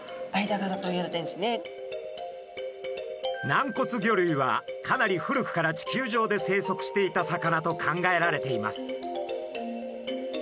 軟骨魚類はかなり古くから地球上で生息していた魚と考えられています。